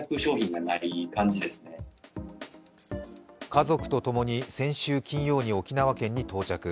家族とともに先週金曜に沖縄県に到着。